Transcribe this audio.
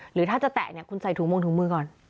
หรือถ้าจะแตะเนี่ยคุณใส่ถุงมงถุงมือก่อน